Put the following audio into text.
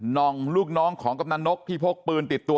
องลูกน้องของกำนันนกที่พกปืนติดตัว